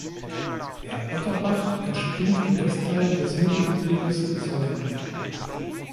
Der Otterbach entspringt im Westteil des Mittelgebirges Solling.